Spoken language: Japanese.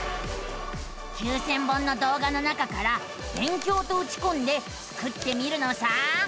９，０００本の動画の中から「勉強」とうちこんでスクってみるのさあ。